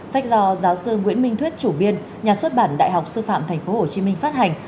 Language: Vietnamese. sách do giáo sư nguyễn minh thuyết chủ biên nhà xuất bản đại học sư phạm tp hcm phát hành